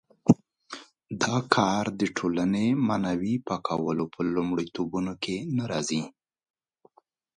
دا کار د ټولنې معنوي پاکولو په لومړیتوبونو کې نه راځي.